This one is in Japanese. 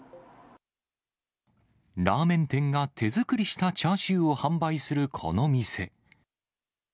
ラーメン店が手作りしたチャーシューを販売するこの店。